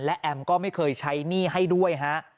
และแอมก็ไม่เคยใช้หนี้ให้ด้วยฮะ